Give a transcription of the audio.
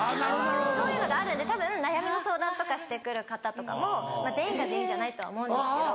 そういうのがあるんでたぶん悩みの相談とかして来る方も全員が全員じゃないとは思うんですけど。